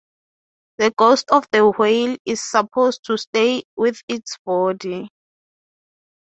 The ghost of the whale is supposed to stay with its body.